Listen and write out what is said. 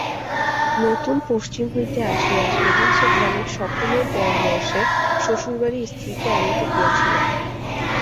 নতুন পশ্চিম হইতে আসিয়া সেদিন সে গ্রামের সকলের পরামর্শে শ্বশুরবাড়ী স্ত্রীকে আনিতে গিয়াছিল।